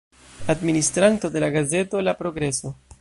Administranto de la gazeto La Progreso.